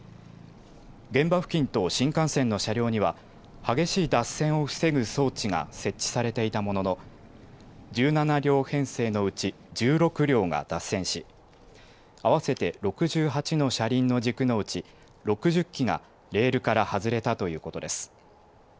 現場付近と新幹線の車両には激しい脱線を防ぐ装置が設置されていたものの１７両編成のうち１６両が脱線し合わせて６８の車輪の軸のうち６０基がレールから外れたということです。